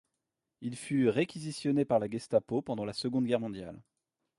Il fut réquisitionné par la Gestapo pendant la Seconde Guerre mondiale.